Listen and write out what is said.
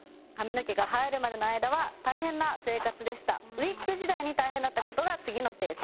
ウィッグ時代に大変だった事が次のページ。